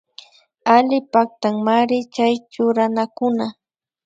Alli paktamanri chay churakunaka